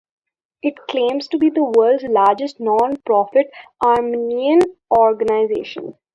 It claims to be the world's largest non-profit Armenian organization.